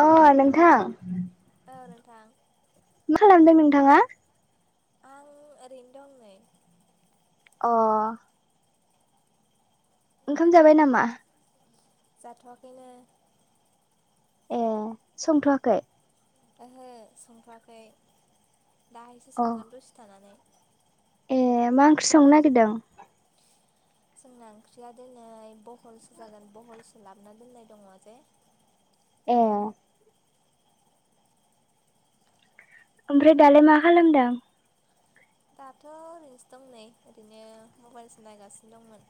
अ नोंथां औ नोंथां। मा खालामदों नोंथाङा। आं ओरैनो दं नै। अ। ओंखाम जाबाय नामा? जाथ'वाखैनो। ए संथ'वाखै ओहो संथ'आखै दाहायसो अ संगोन दसि थानानै ए मा ओंख्रि संनो नागिरदों? जोंना ओंख्रिया दोनै बहलसो जागोन बहलसो लाबोना दोननाय दङ जे ए ओमफ्राय दालाय मा खालामदों? दाथ' ओरैनोसो दं नै ओरैनो मबाइलसो नायगासिनो दंमोन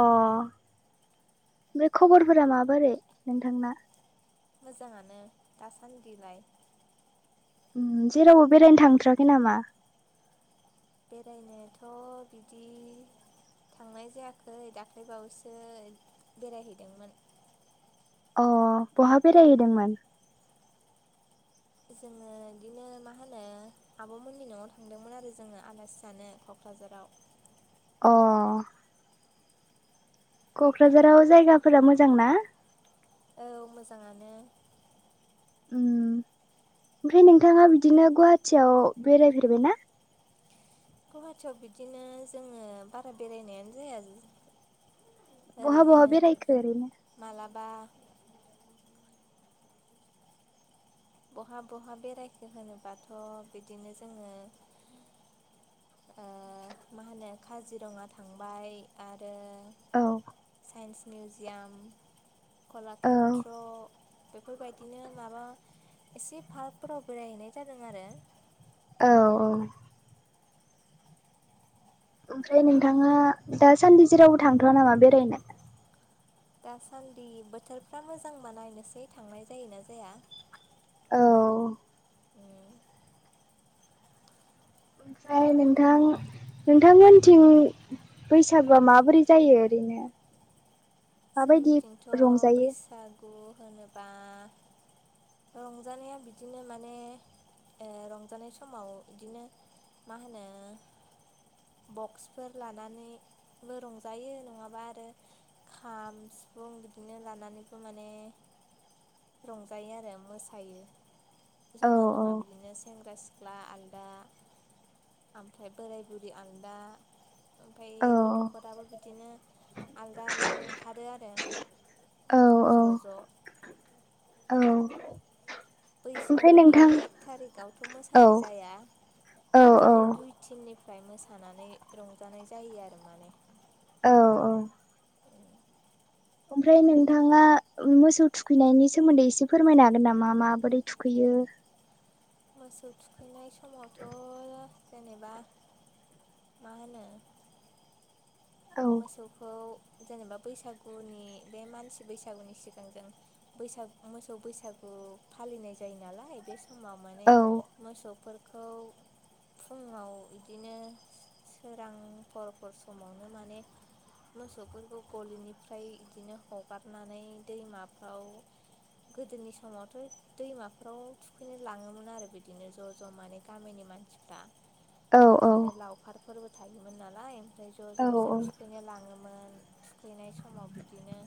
अ ओमफ्राय खबरफोरा माबोरै नोंथांना? मोजाङानो दासान्दिलाय जेरावबो बेरायनो थांथ्राखै नामा? बेरायनोथ' बिदि थांनाय जायाखै दाख्लैबावैसो बेरायहैदोंमोन। अ बहा बेरायहैदोंमोन? जोङो बिदिनो मा होनो आब'मोननि न'आव थांदोंमोन आरो जोङो आलासि जानो क'क्राझाराव अ क'क्राझाराव जायगाफोरा मोजां ना? औ मोजाङानो। ओम ओमफ्राय नोंथाङा बिदिनो गुवाहाटियाव बेरायफेरबाय ना? गुवाहाटियाव बिदिनो जोङो बारा बेरायनायानो जाया। बहा ओरैनो बहा बेरायखो ओरैनो मालाबा बहा बहा बेरायखो होनोबाथ' बिदिनो जोङो मा होनो काजिरङा थांबाय आरो औ साइन्स मिउजियाम औ कलाकेत्र' बेफोरबायदिनो माबा एसे पार्कफोराव बेरायहैनाय जादों आरो औ-औ ओमफ्राय नोंथाङा दासान्दि जेरावबो थांथ'वा नामा बेरायनो? दासान्दि बोथोरफ्रा मोजां बा नायनोसै थांनाय जायोना जाया। औ ओमफ्राय नोंथां नोंथांमोन थिं बैसागुआ माबोरै जायो ओरैनो? माबायदि जोंनिथिंथ' रंजायो बैसागु होनोबा रंजानाया बिदिनो माने रंजानाय समाव बिदिनो मा होनो बक्सफोर लानानैबो रंजायो नङाबा आरो खाम सिफुं बिदिनो लानानैबो माने रंजायो आरो मोसायो औ जमा जमा बिदिनो सेंग्रा सिख्ला ख्ला आलदा ओमफ्राय बोराय बुरि आलदा ओमफाय औ गथ'फोराबो बिदिनो आलदा आलदा ओंखारो आरो औ औ ज' ज' औ ओमफ्राय बैसागोनि नोंथां एक थारिकआवथ' औ मोसानाय जाया औ औ बिदिनो दुइ टिमनिफ्राय मोसानानै रंजानाय जायो आरो माने। औ औ ओमफ्राय नोंथाङा मोसौ थुखैनायनि सोमोन्दै एसे फोरमायनो हागोन नामा माबोरै थुखैयो? मोसौ थुखैनाय समावथ' जेनेबा मा होनो। औ मोसौखौ जेनेबा बैसागुनि बे मानसि बैसागुनि सिगां बैसाग मोसौ बैसागु फालिनाय जायो नालाय बे समाव माने औ मोसौफोरखौ फुङाव बिदिनो सोरांफोरफोर समावनो माने मोसौफोरखौ गलिनिफ्राय बिदिनो हगारनानै दैमाफ्राव गोदोनि समावथ'। दैमाफ्राव थुखैनो लाङोमोन आरो बिदिनो ज' ज' माने गामिनि मानसिफ्रा। औ बिदिनो लावखारफोरबो थायोमोन नालाय ओमफ्राय ज' औ ज' बेसोर थुखैनो लाङोमोन। थुखैनाय समाव बिदिनो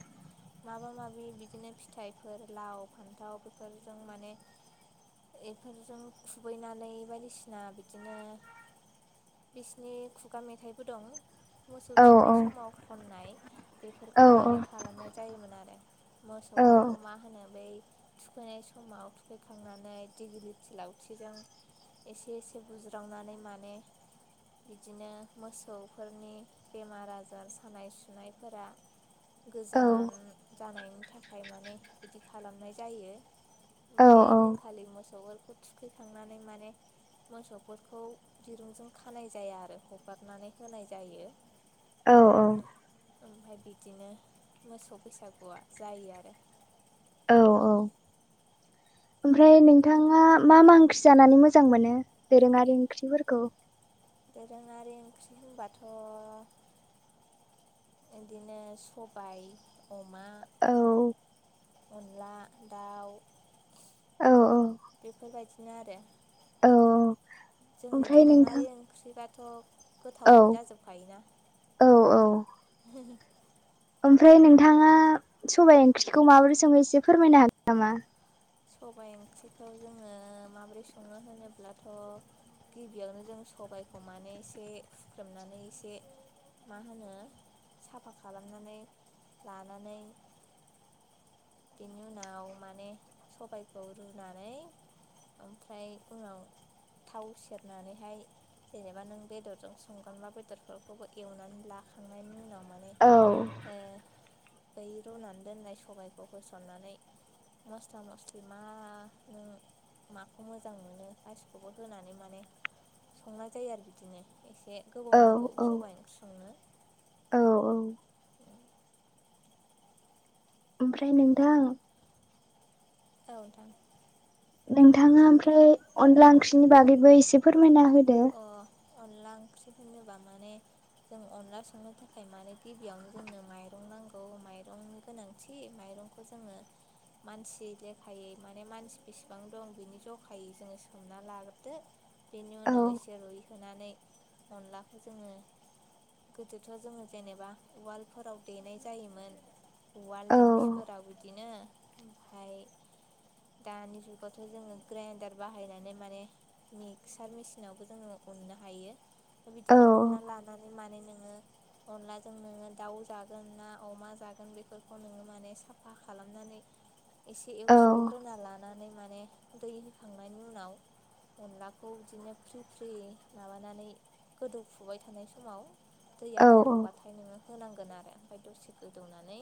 माबा माबि बिदिनो फिथाइफोर लाव फान्थाव बेफोरजों माने एफोरजों खुबैनानै बायदिसिना बिदिनो बिसिनि खुगा मेथाइबो दं। मोसौ औ थुखैनाय समाव खननाय औ बेफोरखौ माने खालामनाय जायोमोन आरो। मोसौफोरखौ मा होनो बै थुखैनाय समाव थुखैखांनानै दिग्लिलिथि लावथिजों एसे एसे बुज्रावनानै माने बिदिनो मोसौफोरनि बेमार आजार सानाय सुनायफोरा गोजान जानायनि थाख फाय माने बिदि खालामनाय जायो औ ओमफ्राय ओदिनखालि मोसौफोरखौ थु थुखैखांनानै माने मोसौफोरखौ दिरुंजों खानाय जाया आरो हगारनानै होनाय जायो। औ औ। ओमफ्राय बिदिनो मोसौ बैसागुआ जायो आरो। औ औ ओमफ्राय नोंथाङा मा मा ओंख्रि जानानै मोजां मोनो। दोरोङारि ओंख्रिफोरखौ दोरोङारि ओंख्रि होनबाथ' बिदिनो सबाय अमा। औ अनला दाउ। औ औ बेफोरबायदिनो आरो। औ जोंनि ओमफ्राय नोंथां दोरोङारि ओंख्रिबाथ' औ गोथावानो जाजोबखायोना। औ औ ओमफ्राय नोंथाङा सबायाइ ओंख्रिखौ माबोरै सोहो एसे फोरमायनो हागोन नामा? सबायाइ ओंख्रिखौ जोङो माबोरै सङनो होनोब्लाथ'। गिबियावनो जों सबायखौ माने एसे हुख्रेमनानै एसे मा होनो साफा खालामनानै लानानै बेनि उनाव माने सबायखौ रुनानै ओमफ्राय उनाव थाव सेरनानैहाय जेनेबा नों बेदरजों संगोना बेदरफोरखौबो एवनानै लाखांनायनि उनाव माने औ ओ दै रुनानै दोननाय सबायखौ होसननानै मस्ला मस्लि मा नों माखौ मोजां मोनो आाइसखौबो होनानै माने संनाय जायो आरो बिदिनो एसे गोबाव औ नांगौ औ सबायाइ ओंख्रि संनो। औ औ। ओमफ्राय नोंथां औ नथां नोंथाङा ओमफ्राय अनला ओंख्रिनि बागैबो एसे फोरमायना होदो अ अनला ओंख्रि होनोबा माने जों अनला संनो थाखाय मानो गिबियावनो जोंनो माइरं नांगौ माइरंनि गोनांथि माइरं खौ जोङो। मानसि लेखायै माने मानसि बेसेबां दं बिनि जखायै जोंङो सोमना लागोरदो बेनि औ उनाव एसे रुइहोनानै अनलाखौ जोङो गोदोथ' जोङो जेनेबा उवालफोराव देनाय जायोमोन। उवाल औ दिंखिफोराव बिदिनो ओमफ्राय दानि जुगावथ' जोङो ग्रेनदार बाहायनानै माने मिक्सार मिस नावबो जोंनोङो उननो हायो औ थ'बिदिनो उनना लानानै माने नोङो अनलाजों नोङो दाउ जागोन ना अमा जागोन बेफोरखौ नोङो माने साफा खालामनानै [inaudible] एसे औ एवस्रंग्रोना लानानै माने दै होखांनायनि उनाव अनलाखौ बिदिनो फ्रि फ्रि माबानानै गोदौफुबाय थानाय समाव दैया औ गोदौबा ओमफ्राय नोङो होनांगोन आरो ओमफ्राय दसे गोदौनानै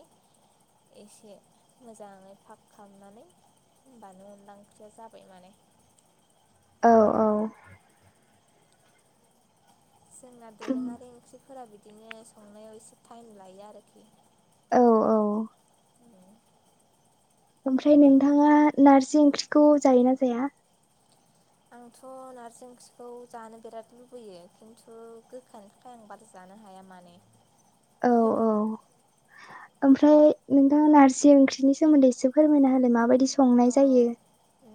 एसे मोजाङै फाख खालामनानै होमबानो अनला ओंख्रिया जाबाय माने। औ औ। जोंना दोरोङारि ओंख्रिफोरा बिदिनो संनायाव एसे टाइम लायो आरोखि। औ औ ओमफ्राय नोंथाङा नारजि ओंख्रिखौ जायोना जाया? आंथ' नारजि ओंख्रिखौ जानो बिराद लुबैयो खिन्थु गोखानि था खाय आं बारा जानो हाया माने। [inaudible] औ [unintelligible] ओमफ्राय नोंथाङा नारजि ओंख्रिनि सोमोन्दै एसे फोरमायना हालाय माबायदि सं अ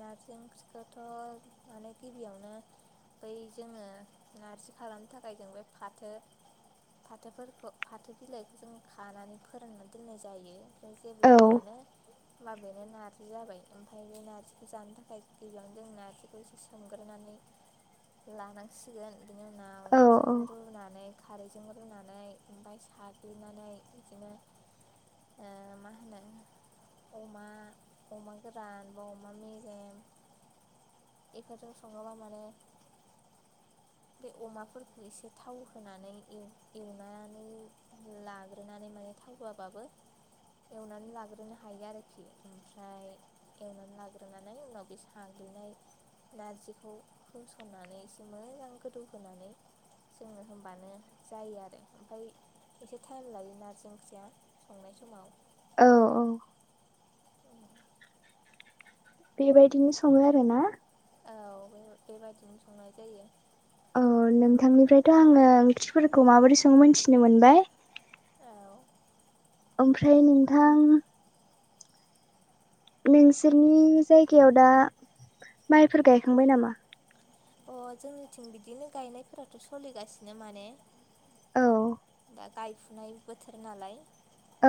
नारजि ओंख्रिखौथ' माने गिबियावनो बै जोङो नारजि खालामनो थाखाय जों बे फाथो फाथोफोरखौ फाथो बिलाइखौ जों खानानै फोरानना दोननाय जायो ओमफ्राय औ जेब्ला रानो अब्ला बेनो नारजि जि जाबाय ओमफ्राय बे नारजिखौ जानो थाखाय दैजांनो जों नार्जिखौ एसे सोमग्रोनानै लानांसिगोन बिनि उनाव औ औ नारजिखौ रुनानै खारैजों रुनानै ओमफ्राय साग्लिनानै बिदिनो ओ मा होनो अमा अमा गोरान बा अमा मेजेम बेफोरजों सङोबा माने [inaudible] बे अमाफोरखौ एसे थाव होनानै एव एवनानै लाग्रोनानै माने थावहोआबाबो एवनानै लाग्रोनो हायो आरोखि। ओमफ्राय एवनानै लाग्रोनानै उनाव बे साग्लिनाय नारजिखौ होसननानै एसे मोजां गोदौ होनोनानै जोङो होनबानो जायो आरो ओमफ्राय एसे टाइम लायो नारजि ओंख्रिया संनाय समाव। औ औ। बेबायदिनो सङो आरो ना? औ बे-बेबायदिनो संनाय जायो। औ नोंथांनिफ्रायथ' आङो ओंख्रिफोरखौ माबोरै सङो मोनथिनो मोनबाय। औ। ओमफ्राय नोंथां नोंसोरनि जायगायाव दा माइफोर गायखांबाय नामा? अ जोंनिथिं बिदिनो गायनायफोराथ' सोलिगासिनो माने औ। दा गायफुनाय बोथोर नालाय।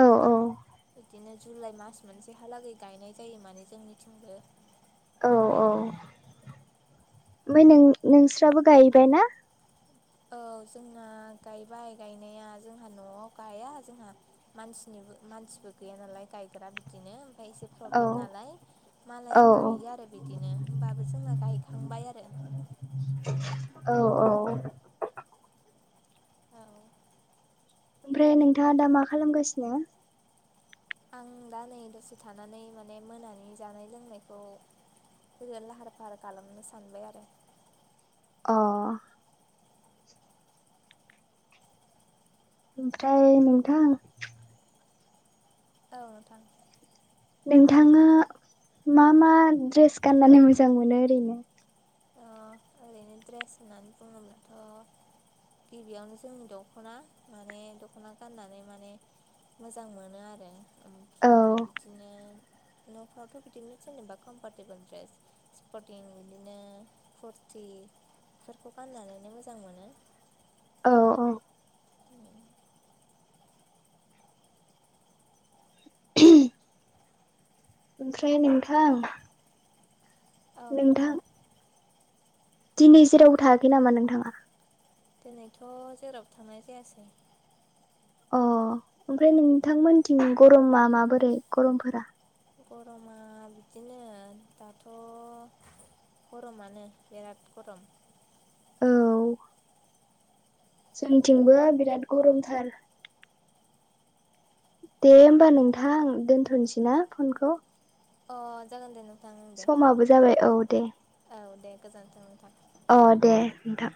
औ औ बिदिनो जुलाइ मास मोनसेहालागै गायनाय जायो माने जोंनिथिंबो औ औ ओमफाय नों नोंस्राबो गायबाय ना? औ जोंना गायबाय गायनाया जोंहा न'आव गाया जोंहा मानसिनिबो मानसिबो गैया नालाय गायग्रा बिदिनो ओमफाय एसे औ प्रब्लेम नालाय मालाया गायो औ आरो बिदिनो होमबाबो जोंना गायखांबाय आरो। औ औ। औ। ओमफ्राय नोंथांङा दा मा खालामगासिनो? आं दा नै दसे थानानै माने मोनानि जानाय लोंनायखौ [unintelligible] लाहार फाहार खालामनो सानबाय आरो अ ओमफ्राय नोंथां औ नोथां नोंथांङा मा मा ड्रेस गाननानै मोजां मोनो ओरैनो ओरैनो ड्रेस होनानै बुंङोब्लाथ' गिबियावनो जोंनि दख'ना माने दख'ना गाननानै माने मोजां मोनो आरो औ ओमफ्राय बिदिनो न'फ्रावथ' बिदिनो जेनेबा कमफरटेबोल ड्रेस स्पर्टिं बिदिनो कुरथिफोरखौ गाननानैनो मोजां मोनो। औ औ [inaudible] ओमफ्राय नोंथां औ नोंथां दिनै जेरावबो थायाखै नामा नोंथांङा? दिनैथ' जेराव थांनाय जायासै। अ ओमफ्राय नोंथांमोनथिं गरमा माबोरै गरमफोरा? गरमा बिदिनो दाथ' गरमानो बिराद गरम औ जोंथिंबो बिराद गरमथार दे होमबा नोंथां दोन्थ'नोसै ना फनखौ अ जागोन दे नों समाबो जाबाय औ दे। औ दे गोजोन्थों नोंथां। अ दे नोंथां।